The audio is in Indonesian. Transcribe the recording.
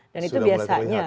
dan itu biasanya